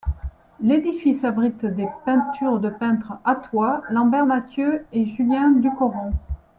L'édifice abrite des peintures de peintres athois, Lambert Mathieu et Julien Ducoron.